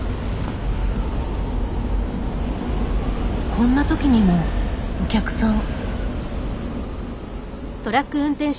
こんな時にもお客さん。